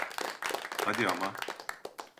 Hadi ama.